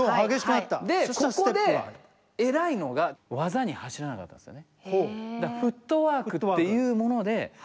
でここで偉いのが技に走らなかったんですよね。